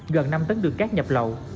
gần năm tấn đường cát nhập lậu